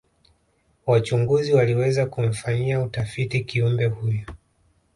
wachunguzi waliweza kumfanyia utafiti kiumbe huyu